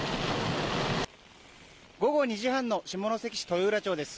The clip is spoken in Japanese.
午後２時半の下関市豊浦町です。